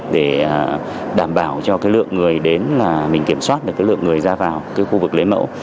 để đảm bảo cho lượng người đến là mình kiểm soát được lượng người ra vào khu vực lấy mẫu